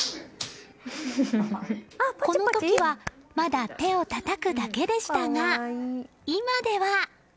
この時はまだ手をたたくだけでしたが今では。